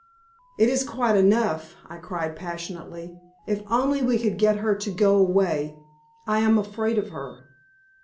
"It is quite enough!" I cried, passionately. "If only we could get her to go away. I am afraid of her."